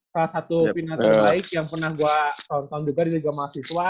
salah satu final terbaik yang pernah gue tonton juga di liga mahasiswa